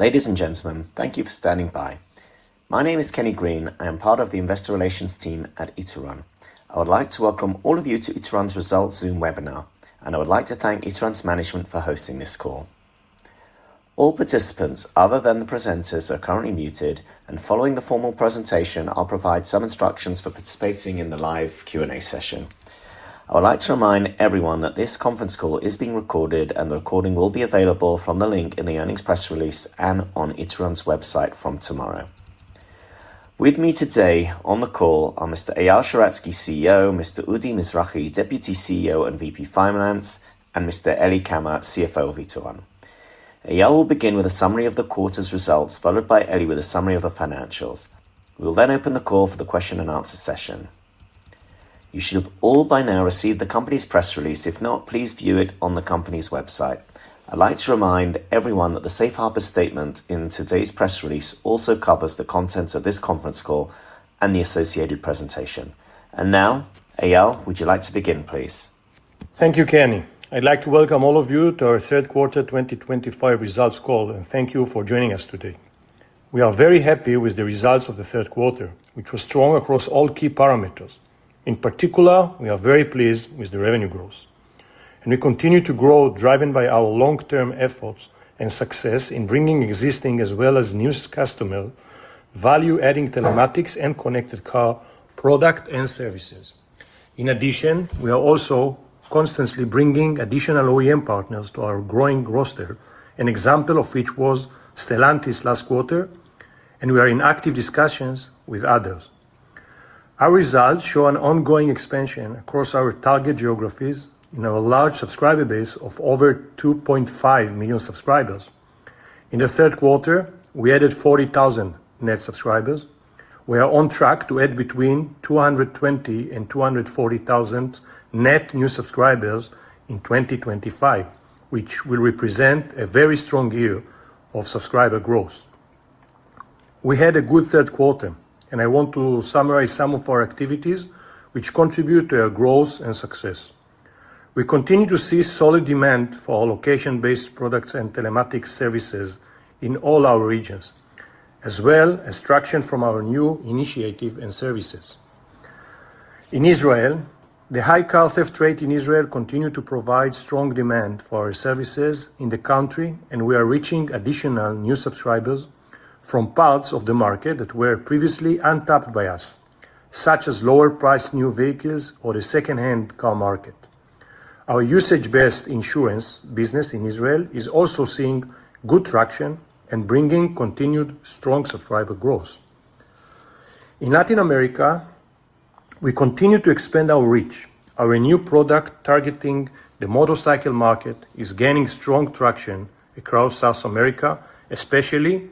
Ladies and gentlemen, thank you for standing by. My name is Kenny Green, I am part of the Investor Relations team at Ituran. I would like to welcome all of you to Ituran's Result Zoom webinar, and I would like to thank Ituran's management for hosting this call. All participants other than the presenters are currently muted, and following the formal presentation, I'll provide some instructions for participating in the live Q&A session. I would like to remind everyone that this conference call is being recorded, and the recording will be available from the link in the earnings press release and on Ituran's website from tomorrow. With me today on the call are Mr. Eyal Sheratzky CEO, Mr. Udi Mizrahi, Deputy CEO and VP Finance, and Mr. Eli Kamer, CFO of Ituran. Eyal will begin with a summary of the quarter's results, followed by Eli with a summary of the financials. We'll then open the call for the Q&A session. You should have all by now received the company's press release. If not, please view it on the company's website. I'd like to remind everyone that the Safe Harbor statement in today's press release also covers the contents of this conference call and the associated presentation. Eyal, would you like to begin, please? Thank you, Kenny. I'd like to welcome all of you to our Third Quarter 2025 Results Call, and thank you for joining us today. We are very happy with the results of the third quarter, which were strong across all key parameters. In particular, we are very pleased with the revenue growth. We continue to grow, driven by our long-term efforts and success in bringing existing as well as new customer value-adding telematics and connected car product and services. In addition, we are also constantly bringing additional OEM partners to our growing roster, an example of which was Stellantis last quarter, and we are in active discussions with others. Our results show an ongoing expansion across our target geographies in our large subscriber base of over 2.5 million subscribers. In the third quarter, we added 40,000 net subscribers. We are on track to add between 220,000 and 240,000 net new subscribers in 2025, which will represent a very strong year of subscriber growth. We had a good third quarter, and I want to summarize some of our activities, which contribute to our growth and success. We continue to see solid demand for our location-based products and telematics services in all our regions, as well as traction from our new initiative and services. In Israel, the high car theft rate in Israel continued to provide strong demand for our services in the country, and we are reaching additional new subscribers from parts of the market that were previously untapped by us, such as lower-priced new vehicles or the second-hand car market. Our usage-based insurance business in Israel is also seeing good traction and bringing continued strong subscriber growth. In Latin America, we continue to expand our reach. Our new product targeting the motorcycle market is gaining strong traction across South America, especially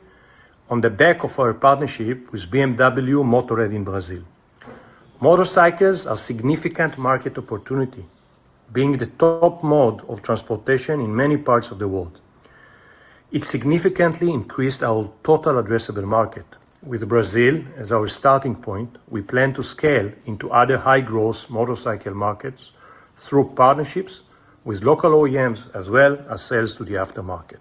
on the back of our partnership with BMW Motorrad in Brazil. Motorcycles are a significant market opportunity, being the top mode of transportation in many parts of the world. It significantly increased our total addressable market. With Brazil as our starting point, we plan to scale into other high-growth motorcycle markets through partnerships with local OEMs, as well as sales to the aftermarket.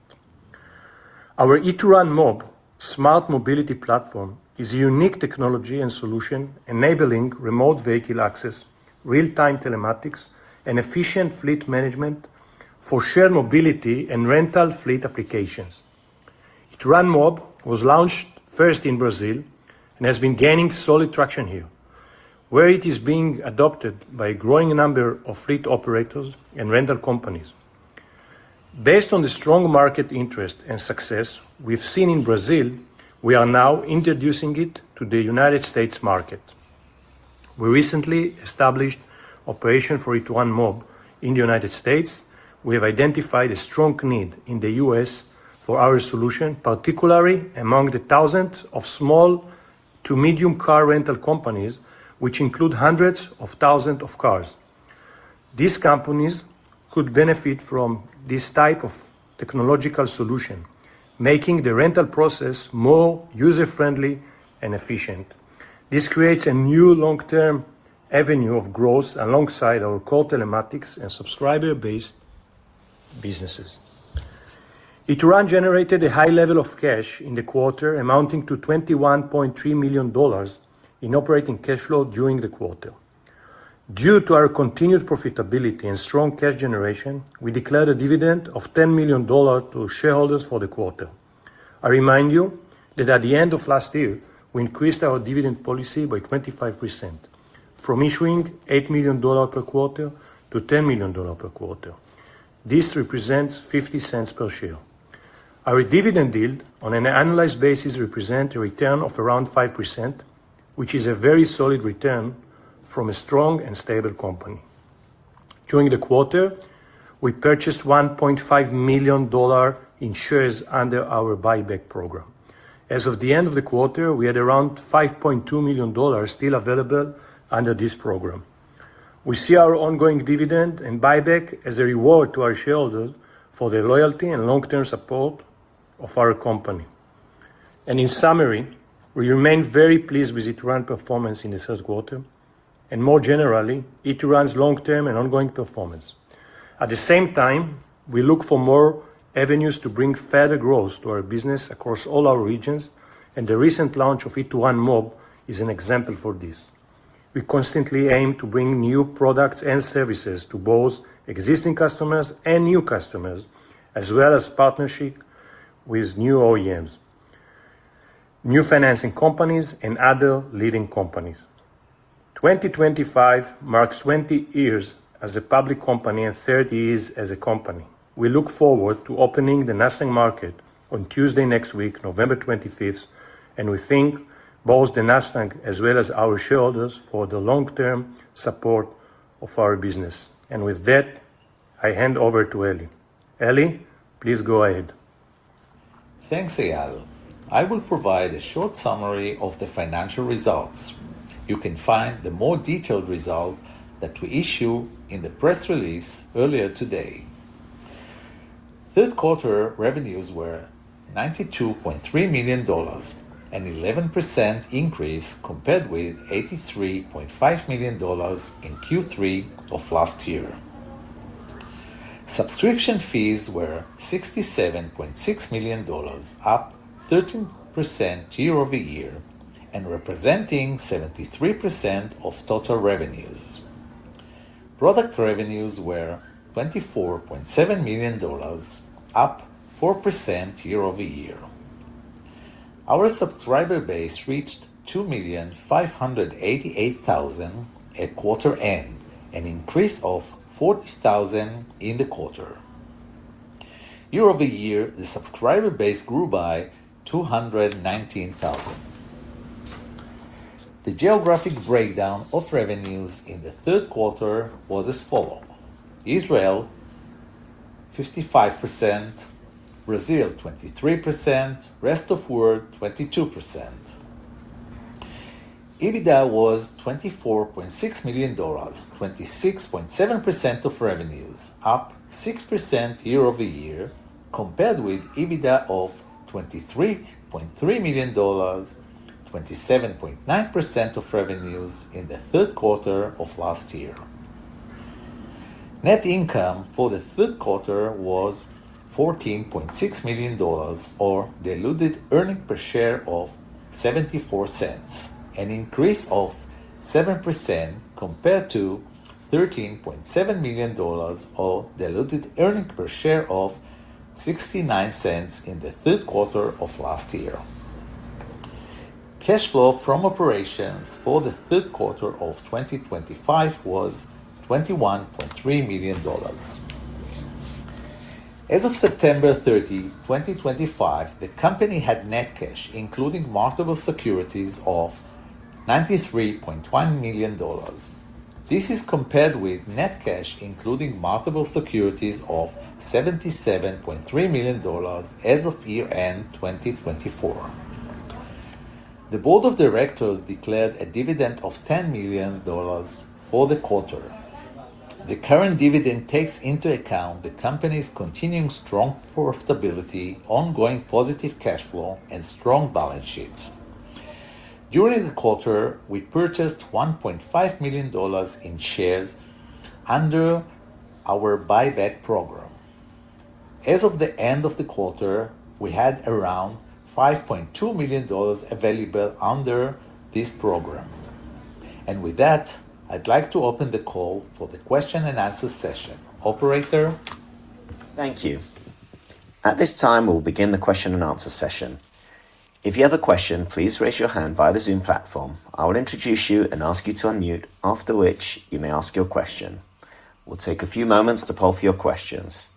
Our IturanMob, smart mobility platform, is a unique technology and solution enabling remote vehicle access, real-time telematics, and efficient fleet management for shared mobility and rental fleet applications. IturanMob was launched first in Brazil and has been gaining solid traction here, where it is being adopted by a growing number of fleet operators and rental companies. Based on the strong market interest and success we've seen in Brazil, we are now introducing it to the United States market. We recently established operation for IturanMob in the United States. We have identified a strong need in the U.S. for our solution, particularly among the thousands of small to medium car rental companies, which include hundreds of thousands of cars. These companies could benefit from this type of technological solution, making the rental process more user-friendly and efficient. This creates a new long-term avenue of growth alongside our core telematics and subscriber-based businesses. Ituran generated a high level of cash in the quarter, amounting to $21.3 million in operating cash flow during the quarter. Due to our continued profitability and strong cash generation, we declared a dividend of $10 million to shareholders for the quarter. I remind you that at the end of last year, we increased our dividend policy by 25%, from issuing $8 million per quarter to $10 million per quarter. This represents $0.50 per share. Our dividend yield, on an annualized basis, represents a return of around 5%, which is a very solid return from a strong and stable company. During the quarter, we purchased $1.5 million in shares under our buyback program. As of the end of the quarter, we had around $5.2 million still available under this program. We see our ongoing dividend and buyback as a reward to our shareholders for their loyalty and long-term support of our company. In summary, we remain very pleased with Ituran's performance in the third quarter and, more generally, Ituran's long-term and ongoing performance. At the same time, we look for more avenues to bring further growth to our business across all our regions, and the recent launch of IturanMob is an example for this. We constantly aim to bring new products and services to both existing customers and new customers, as well as partnerships with new OEMs, new financing companies, and other leading companies. 2025 marks 20 years as a public company and 30 years as a company. We look forward to opening the Nasdaq market on Tuesday next week, November 25th, and we thank both the Nasdaq as well as our shareholders for the long-term support of our business. With that, I hand over to Eli. Eli, please go ahead. Thanks, Eyal. I will provide a short summary of the financial results. You can find the more detailed result that we issued in the press release earlier today. Third quarter revenues were $92.3 million, an 11% increase compared with $83.5 million in Q3 of last year. Subscription fees were $67.6 million, up 13% year-over-year, and representing 73% of total revenues. Product revenues were $24.7 million, up 4% year-over-year. Our subscriber base reached 2,588,000 at quarter end, an increase of 40,000 in the quarter. Year-over-year, the subscriber base grew by 219,000. The geographic breakdown of revenues in the third quarter was as follows: Israel 55%, Brazil 23%, rest of world 22%. EBITDA was $24.6 million, 26.7% of revenues, up 6% year-over-year, compared with EBITDA of $23.3 million, 27.9% of revenues in the third quarter of last year. Net income for the third quarter was $14.6 million, or diluted earnings per share of $0.74, an increase of 7% compared to $13.7 million, or diluted earnings per share of $0.69 in the third quarter of last year. Cash flow from operations for the third quarter of 2025 was $21.3 million. As of September 30, 2025, the company had net cash, including marketable securities, of $93.1 million. This is compared with net cash, including marketable securities, of $77.3 million as of year-end 2024. The Board of Directors declared a dividend of $10 million for the quarter. The current dividend takes into account the company's continuing strong profitability, ongoing positive cash flow, and strong balance sheet. During the quarter, we purchased $1.5 million in shares under our buyback program. As of the end of the quarter, we had around $5.2 million available under this program. With that, I'd like to open the call for the Q&A session. Operator. Thank you. At this time, we'll begin the Q&A session. If you have a question, please raise your hand via the Zoom platform. I will introduce you and ask you to unmute, after which you may ask your question. We'll take a few moments to poll for your questions.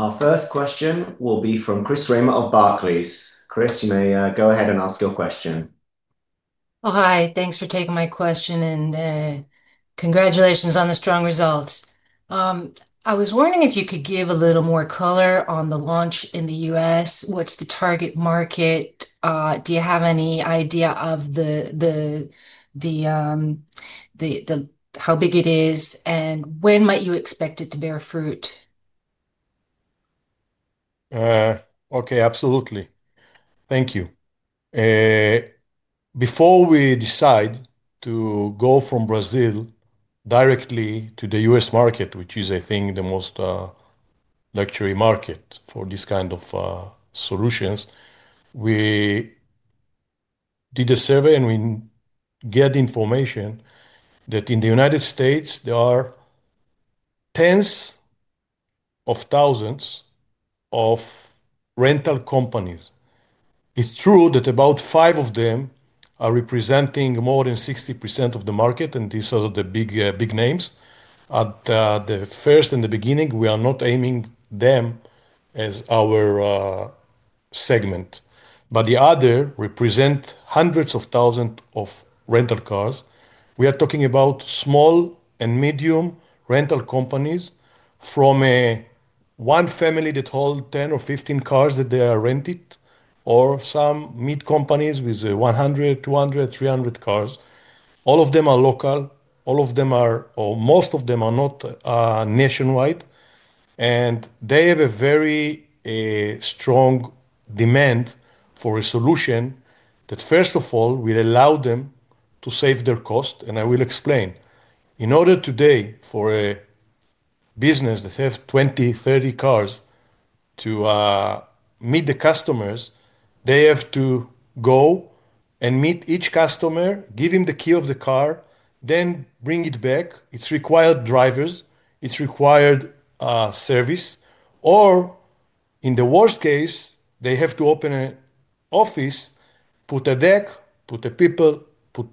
Our first question will be from Chris Reimer of Barclays. Chris, you may go ahead and ask your question. Hi, thanks for taking my question, and congratulations on the strong results. I was wondering if you could give a little more color on the launch in the U.S. What's the target market? Do you have any idea of how big it is, and when might you expect it to bear fruit? Okay, absolutely. Thank you. Before we decide to go from Brazil directly to the U.S. market, which is, I think, the most luxury market for this kind of solutions, we did a survey, and we got information that in the United States, there are tens of thousands of rental companies. It's true that about five of them are representing more than 60% of the market, and these are the big names. At the first and the beginning, we are not aiming them as our segment. The other represent hundreds of thousands of rental cars. We are talking about small and medium rental companies from one family that holds 10 or 15 cars that they are rented, or some mid-companies with 100, 200, 300 cars. All of them are local. All of them are, or most of them are not nationwide. They have a very strong demand for a solution that, first of all, will allow them to save their cost. I will explain. In order today, for a business that has 20-30 cars to meet the customers, they have to go and meet each customer, give him the key of the car, then bring it back. It requires drivers. It requires service. In the worst case, they have to open an office, put a desk, put the people, put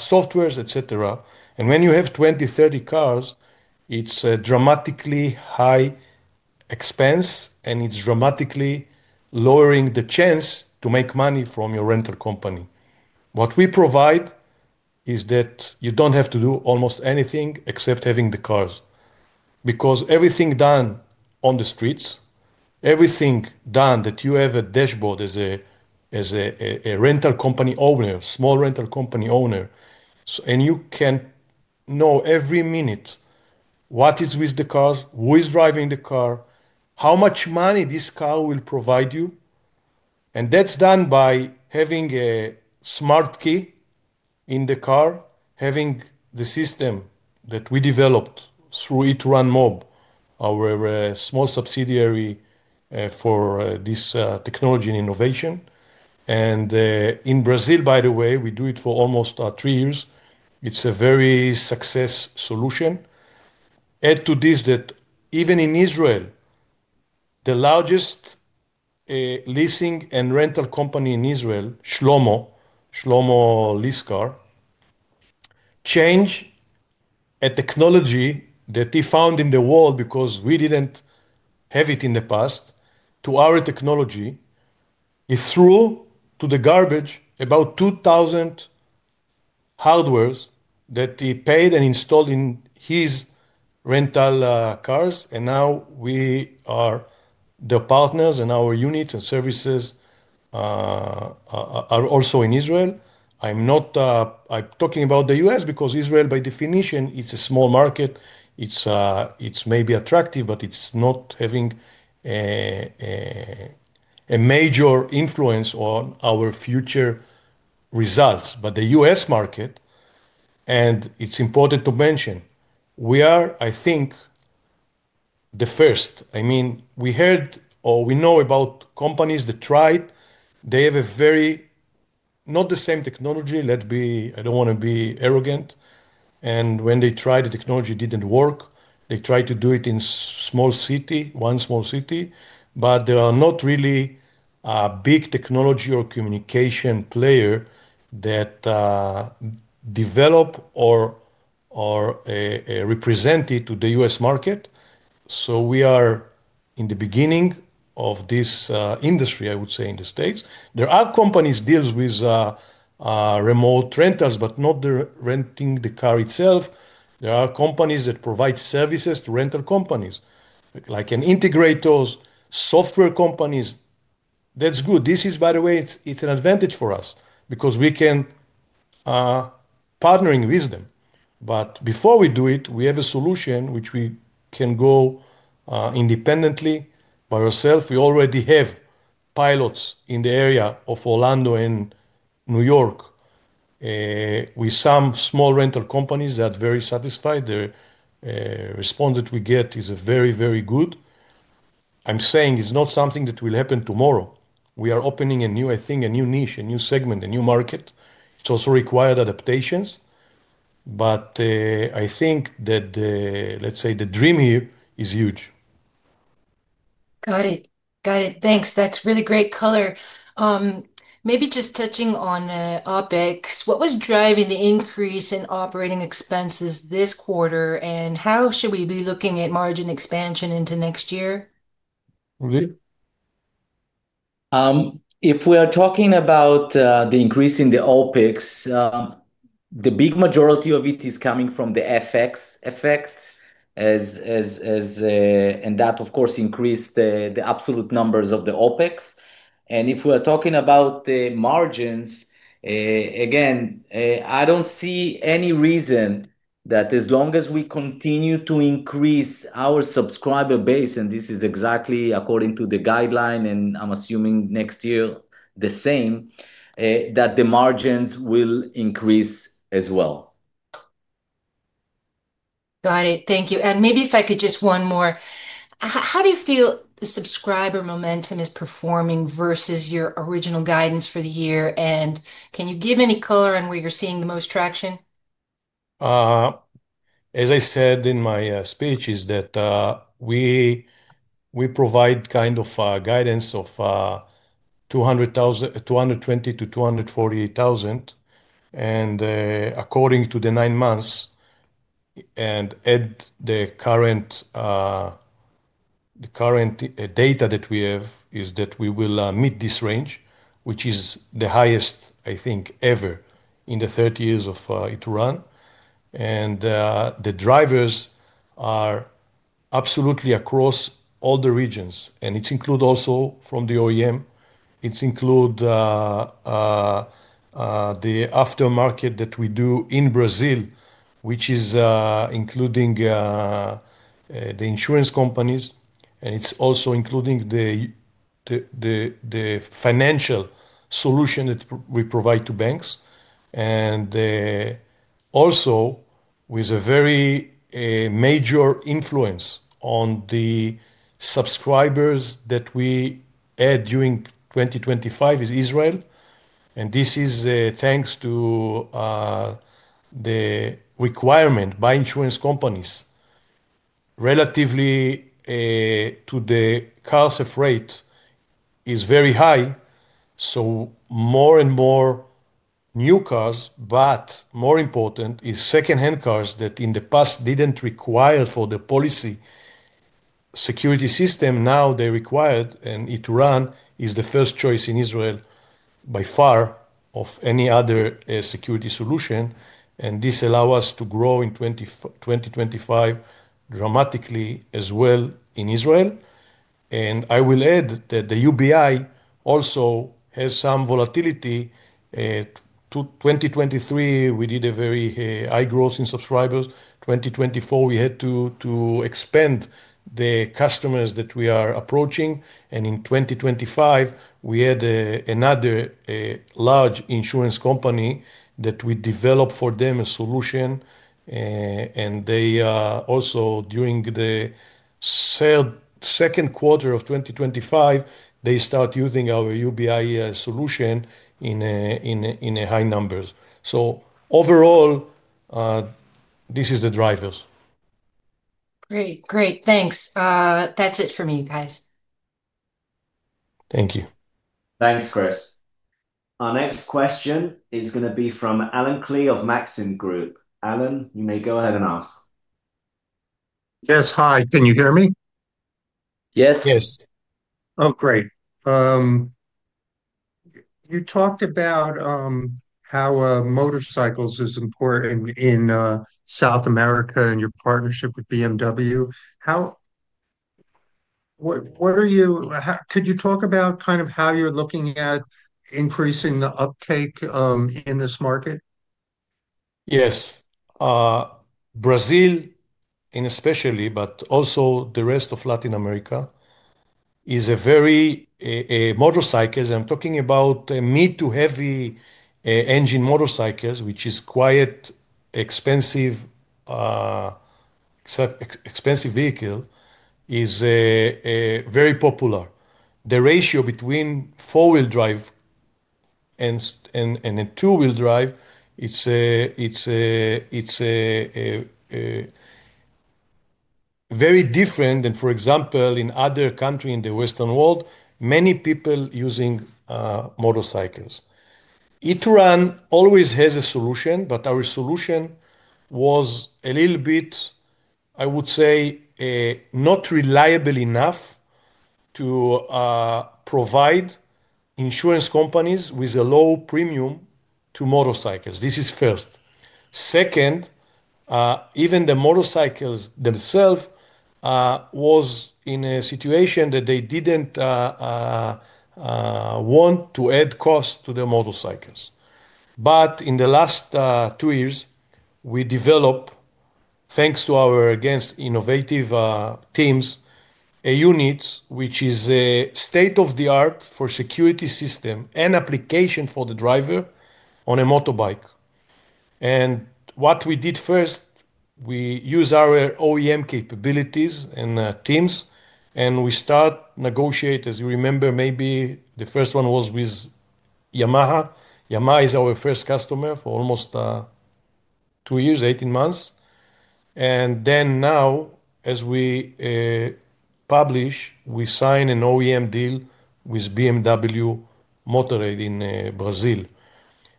software, etc. When you have 20-30 cars, it is a dramatically high expense, and it is dramatically lowering the chance to make money from your rental company. What we provide is that you do not have to do almost anything except having the cars. Because everything done on the streets, everything done that you have a dashboard as a rental company owner, small rental company owner, and you can know every minute what is with the cars, who is driving the car, how much money this car will provide you. That is done by having a smart key in the car, having the system that we developed through IturanMob, our small subsidiary for this technology and innovation. In Brazil, by the way, we do it for almost three years. It is a very successful solution. Add to this that even in Israel, the largest leasing and rental company in Israel, Shlomo lease car, changed a technology that they found in the world because we did not have it in the past to our technology. It threw to the garbage about 2,000 hardwares that they paid and installed in his rental cars. We are the partners, and our units and services are also in Israel. I'm talking about the U.S. because Israel, by definition, is a small market. It's maybe attractive, but it's not having a major influence on our future results. The U.S. market, and it's important to mention, we are, I think, the first. I mean, we heard or we know about companies that tried. They have a very not the same technology. Let's be, I don't want to be arrogant. When they tried, the technology didn't work. They tried to do it in one small city. There are not really big technology or communication players that develop or represent it to the U.S. market. We are in the beginning of this industry, I would say, in the States. There are companies dealing with remote rentals, but not the renting the car itself. There are companies that provide services to rental companies, like integrators, software companies. That's good. This is, by the way, it's an advantage for us because we can partner with them. Before we do it, we have a solution which we can go independently by ourselves. We already have pilots in the area of Orlando and New York with some small rental companies that are very satisfied. The response that we get is very, very good. I'm saying it's not something that will happen tomorrow. We are opening a new, I think, a new niche, a new segment, a new market. It's also required adaptations. I think that, let's say, the dream here is huge. Got it. Got it. Thanks. That's really great color. Maybe just touching on OpEx, what was driving the increase in operating expenses this quarter, and how should we be looking at margin expansion into next year? If we are talking about the increase in the OpEx, the big majority of it is coming from the FX effect. That, of course, increased the absolute numbers of the OpEx. If we are talking about the margins, again, I do not see any reason that as long as we continue to increase our subscriber base, and this is exactly according to the guideline, and I am assuming next year the same, that the margins will increase as well. Got it. Thank you. Maybe if I could just one more. How do you feel the subscriber momentum is performing versus your original guidance for the year? Can you give any color on where you're seeing the most traction? As I said in my speech, is that we provide kind of guidance of 220,000-240,000. According to the nine months and the current data that we have, is that we will meet this range, which is the highest, I think, ever in the 30 years of Ituran. The drivers are absolutely across all the regions. It's included also from the OEM. It's included the aftermarket that we do in Brazil, which is including the insurance companies. It's also including the financial solution that we provide to banks. Also, with a very major influence on the subscribers that we add during 2025 is Israel. This is thanks to the requirement by insurance companies. Relatively to the cost of rate is very high. More and more new cars, but more important is second-hand cars that in the past did not require for the policy security system. Now they require. Ituran is the first choice in Israel by far of any other security solution. This allows us to grow in 2025 dramatically as well in Israel. I will add that the UBI also has some volatility. In 2023, we did a very high growth in subscribers. In 2024, we had to expand the customers that we are approaching. In 2025, we had another large insurance company that we developed for them a solution. They also, during the second quarter of 2025, start using our UBI solution in high numbers. Overall, this is the drivers. Great. Great. Thanks. That's it for me, guys. Thank you. Thanks, Chris. Our next question is going to be from Allen Klee of Maxim Group. Allen, you may go ahead and ask. Yes. Hi. Can you hear me? Yes. Yes. Oh, great. You talked about how motorcycles are important in South America and your partnership with BMW Motorrad. What are you, could you talk about kind of how you're looking at increasing the uptake in this market? Yes. Brazil, and especially, but also the rest of Latin America, is a very motorcycles. I'm talking about mid-to-heavy engine motorcycles, which is quite an expensive vehicle, is very popular. The ratio between four-wheel drive and two-wheel drive, it's very different than, for example, in other countries in the Western world, many people using motorcycles. Ituran always has a solution, but our solution was a little bit, I would say, not reliable enough to provide insurance companies with a low premium to motorcycles. This is first. Second, even the motorcycles themselves were in a situation that they didn't want to add cost to the motorcycles. In the last two years, we developed, thanks to our innovative teams, a unit which is state-of-the-art for a security system and application for the driver on a motorbike. What we did first, we used our OEM capabilities and teams, and we started negotiating. As you remember, maybe the first one was with Yamaha. Yamaha is our first customer for almost two years, 18 months. Now, as we publish, we signed an OEM deal with BMW Motorrad in Brazil.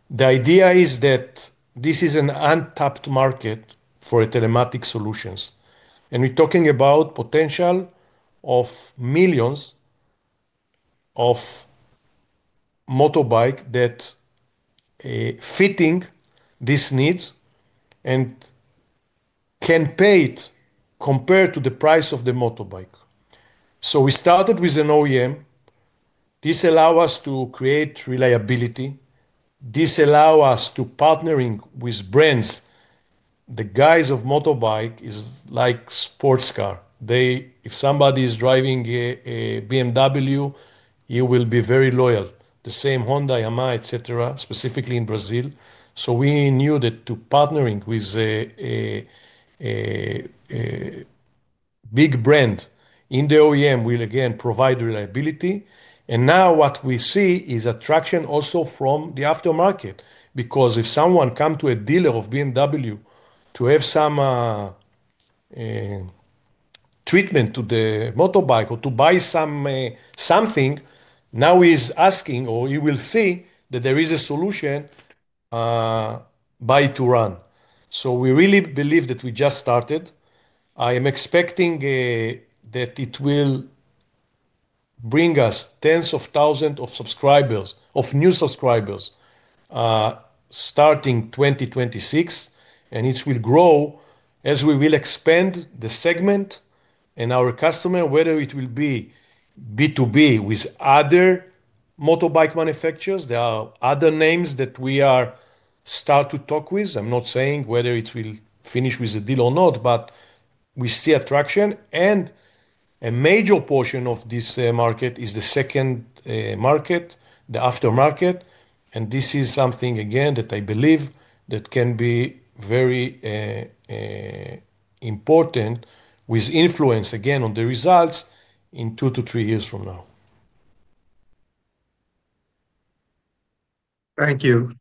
The idea is that this is an untapped market for telematics solutions. We are talking about the potential of millions of motorbikes that fit these needs and can pay it compared to the price of the motorbike. We started with an OEM. This allows us to create reliability. This allows us to partner with brands. The guys of motorbikes are like sports cars. If somebody is driving a BMW, you will be very loyal. The same Honda, Yamaha, etc., specifically in Brazil. We knew that partnering with a big brand in the OEM will, again, provide reliability. Now what we see is attraction also from the aftermarket. Because if someone comes to a dealer of BMW to have some treatment to the motorbike or to buy something, now he's asking or he will see that there is a solution by Ituran. We really believe that we just started. I am expecting that it will bring us tens of thousands of new subscribers starting 2026. It will grow as we will expand the segment and our customer, whether it will be B2B with other motorbike manufacturers. There are other names that we are starting to talk with. I'm not saying whether it will finish with a deal or not, but we see attraction. A major portion of this market is the second market, the aftermarket. This is something, again, that I believe can be very important with influence, again, on the results in two to three years from now. Thank you.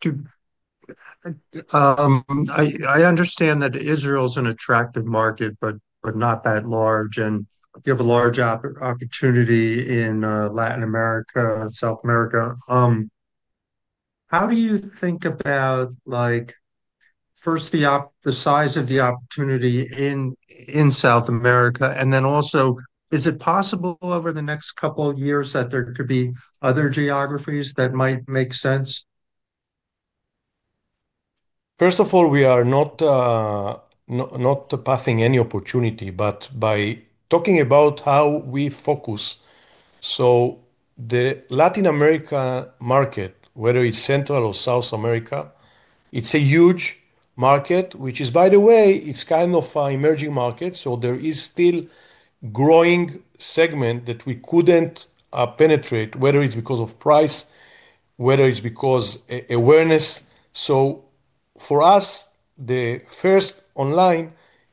I understand that Israel is an attractive market, but not that large. You have a large opportunity in Latin America and South America. How do you think about, first, the size of the opportunity in South America? Also, is it possible over the next couple of years that there could be other geographies that might make sense? First of all, we are not passing any opportunity. By talking about how we focus, the Latin America market, whether it's Central or South America, it's a huge market, which is, by the way, kind of an emerging market. There is still a growing segment that we couldn't penetrate, whether it's because of price, whether it's because of awareness. For us, the first online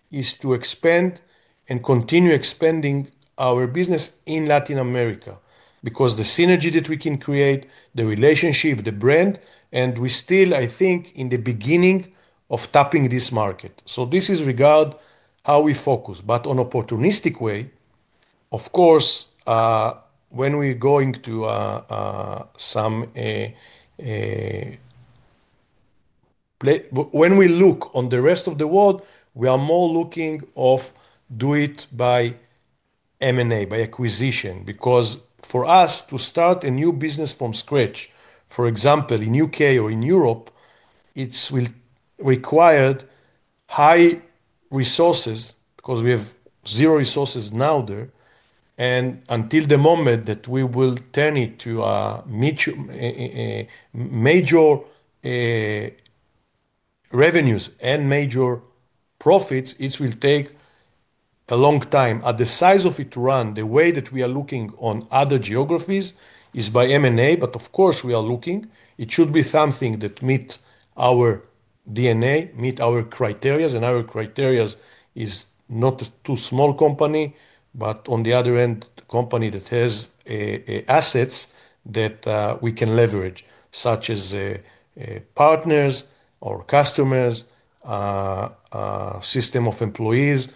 is to expand and continue expanding our business in Latin America because of the synergy that we can create, the relationship, the brand. We're still, I think, in the beginning of tapping this market. This is regarding how we focus, but in an opportunistic way. Of course, when we look at the rest of the world, we are more looking at doing it by M&A, by acquisition. Because for us to start a new business from scratch, for example, in the U.K. or in Europe, it will require high resources because we have zero resources now there. Until the moment that we will turn it to major revenues and major profits, it will take a long time. At the size of Ituran, the way that we are looking at other geographies is by M&A. Of course, we are looking. It should be something that meets our DNA, meets our criteria. Our criteria is not a too small company. On the other end, a company that has assets that we can leverage, such as partners or customers, a system of employees,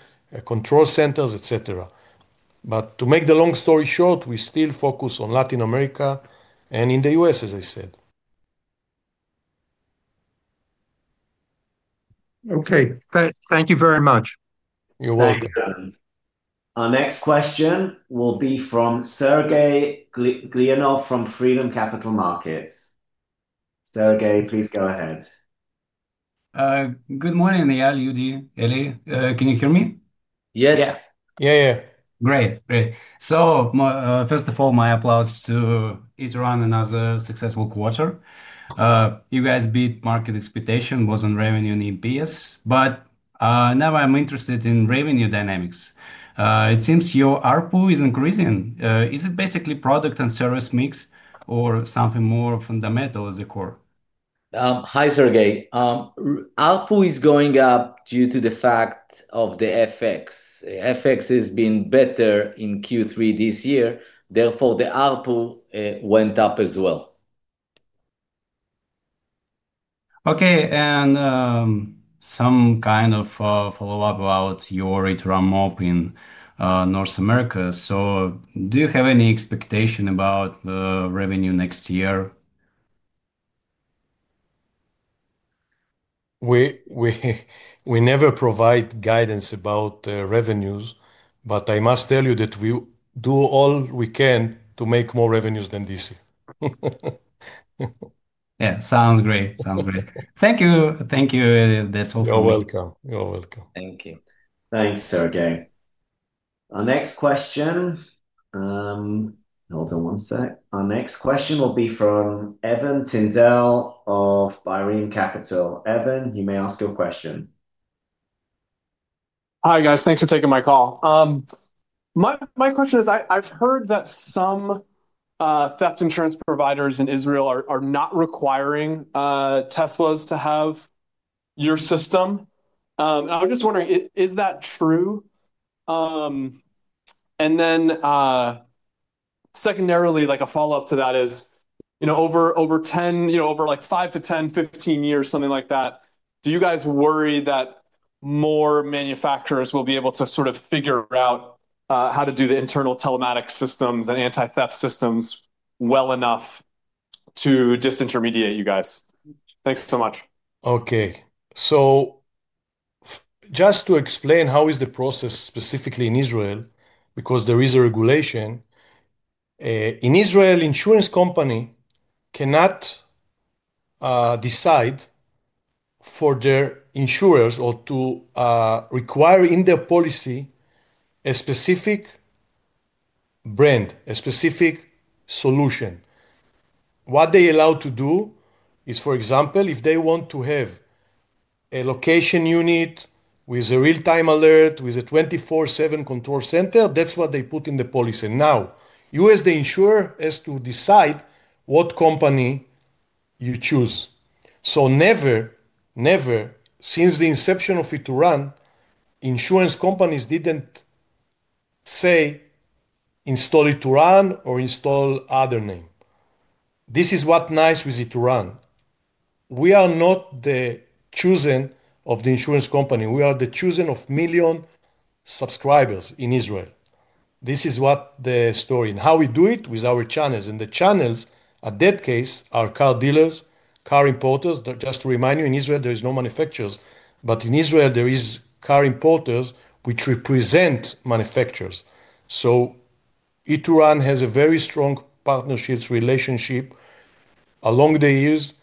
control centers, etc. To make the long story short, we still focus on Latin America and in the U.S., as I said. Okay. Thank you very much. You're welcome. Thank you, Allen. Our next question will be from Sergey Glinyanov from Freedom Capital Markets. Sergey, please go ahead. Good morning, Eyal, Udi, Eli. Can you hear me? Yes. Yeah. Yeah, yeah. Great. Great. First of all, my applause to Ituran and another successful quarter. You guys beat market expectations. It was not revenue in EPS. Now I am interested in revenue dynamics. It seems your ARPU is increasing. Is it basically a product and service mix or something more fundamental as a core? Hi, Sergey. ARPU is going up due to the fact of the FX. FX has been better in Q3 this year. Therefore, the ARPU went up as well. Okay. And some kind of follow-up about your IturanMob in North America. Do you have any expectations about revenue next year? We never provide guidance about revenues. I must tell you that we do all we can to make more revenues than this year. Yeah. Sounds great. Thank you. You're welcome. Thank you. Thanks, Sergey. Our next question, hold on one sec. Our next question will be from Evan Tindell of Bireme Capital. Evan, you may ask your question. Hi, guys. Thanks for taking my call. My question is, I've heard that some theft insurance providers in Israel are not requiring Teslas to have your system. I was just wondering, is that true? A follow-up to that is, over 10, over like five to 10, 15 years, something like that, do you guys worry that more manufacturers will be able to sort of figure out how to do the internal telematic systems and anti-theft systems well enough to disintermediate you guys? Thanks so much. Okay. Just to explain how the process is specifically in Israel, because there is a regulation, in Israel, an insurance company cannot decide for their insurers or require in their policy a specific brand, a specific solution. What they allow to do is, for example, if they want to have a location unit with a real-time alert, with a 24/7 control center, that is what they put in the policy. Now, you as the insurer have to decide what company you choose. Never, never since the inception of Ituran, insurance companies did not say, "Install Ituran" or "Install other name." This is what is nice with Ituran. We are not the chosen of the insurance company. We are the chosen of a million subscribers in Israel. This is what the story is. How we do it is with our channels. The channels, in that case, are car dealers, car importers. Just to remind you, in Israel, there are no manufacturers. In Israel, there are car importers which represent manufacturers. Ituran has a very strong partnership relationship along the years.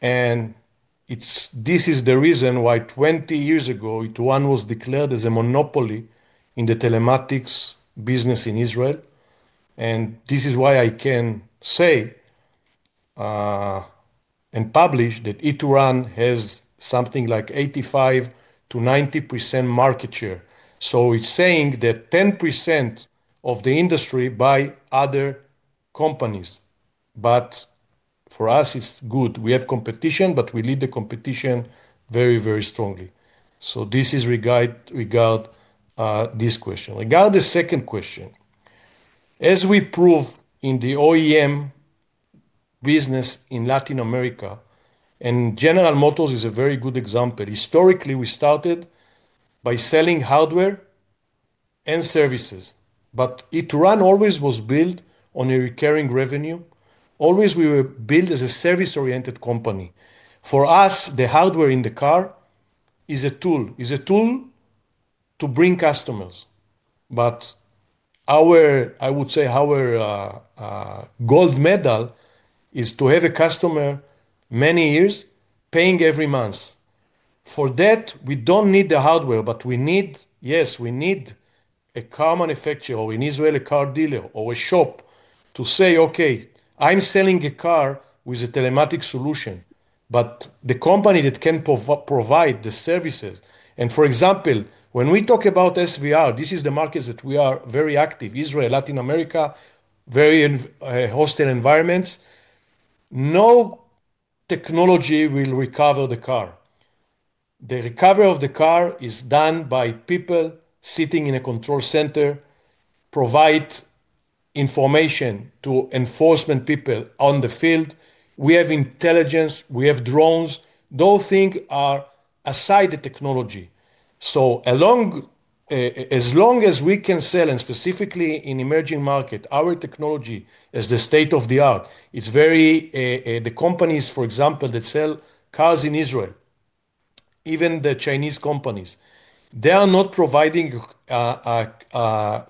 This is the reason why 20 years ago, Ituran was declared as a monopoly in the telematics business in Israel. This is why I can say and publish that Ituran has something like 85%-90% market share. It's saying that 10% of the industry is by other companies. For us, it's good. We have competition, but we lead the competition very, very strongly. This is regarding this question. Regarding the second question, as we proved in the OEM business in Latin America, and General Motors is a very good example. Historically, we started by selling hardware and services. Ituran always was built on a recurring revenue. Always, we were built as a service-oriented company. For us, the hardware in the car is a tool. It's a tool to bring customers. I would say our gold medal is to have a customer for many years paying every month. For that, we don't need the hardware. We need, yes, we need a car manufacturer or in Israel, a car dealer or a shop to say, "Okay, I'm selling a car with a telematics solution, but the company that can provide the services." For example, when we talk about SVR, this is the market that we are very active, Israel, Latin America, very hostile environments. No technology will recover the car. The recovery of the car is done by people sitting in a control center, providing information to enforcement people on the field. We have intelligence. We have drones. Those things are aside from the technology. As long as we can sell, and specifically in the emerging market, our technology is the state of the art. The companies, for example, that sell cars in Israel, even the Chinese companies, they are not providing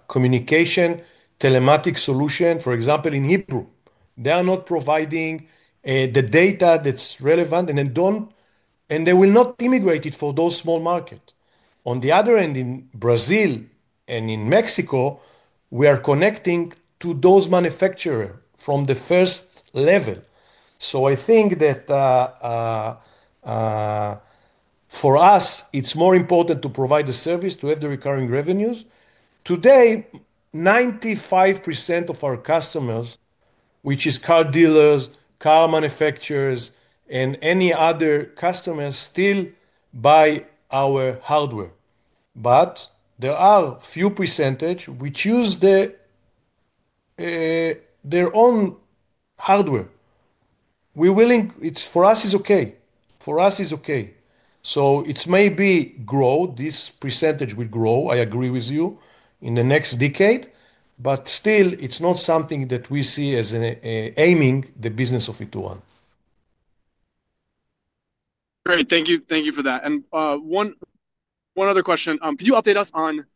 communication telematic solutions, for example, in Hebrew. They are not providing the data that's relevant. They will not immigrate it for those small markets. On the other hand, in Brazil and in Mexico, we are connecting to those manufacturers from the first level. I think that for us, it's more important to provide the service to have the recurring revenues. Today, 95% of our customers, which are car dealers, car manufacturers, and any other customers, still buy our hardware. There are a few percent who choose their own hardware. For us, it's okay. For us, it's okay. It may grow, this percentage will grow, I agree with you, in the next decade. But still, it's not something that we see as aiming the business of Ituran. Great. Thank you for that. One other question. Could you update us on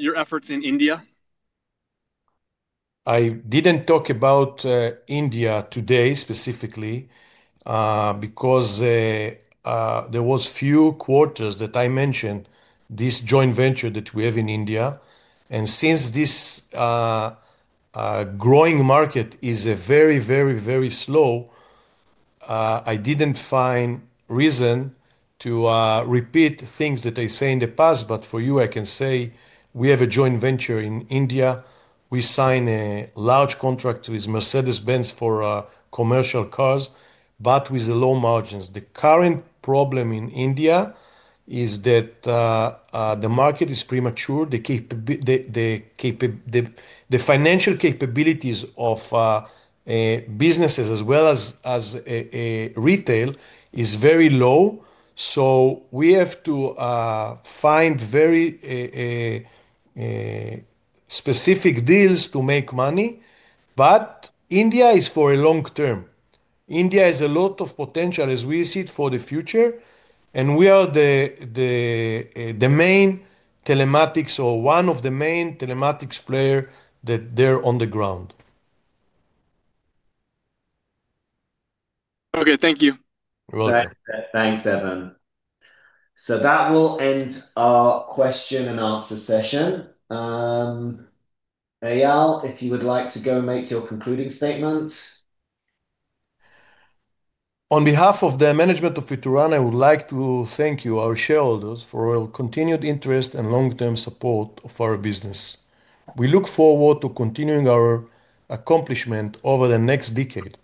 your efforts in India? I didn't talk about India today specifically because there were a few quarters that I mentioned this joint venture that we have in India. Since this growing market is very, very, very slow, I didn't find a reason to repeat things that I said in the past. For you, I can say we have a joint venture in India. We signed a large contract with Mercedes-Benz for commercial cars, but with low margins. The current problem in India is that the market is premature. The financial capabilities of businesses, as well as retail, are very low. We have to find very specific deals to make money. India is for the long term. India has a lot of potential, as we see it, for the future. We are the main telematics or one of the main telematics players that are on the ground. Okay. Thank you. Thanks, Evan. That will end our question and answer session. Eyal, if you would like to go make your concluding statement. On behalf of the management of Ituran, I would like to thank you, our shareholders, for your continued interest and long-term support of our business. We look forward to continuing our accomplishments over the next decade.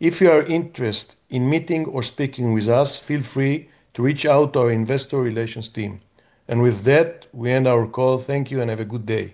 If you are interested in meeting or speaking with us, feel free to reach out to our investor relations team. We end our call. Thank you and have a good day.